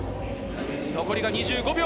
残り２５秒。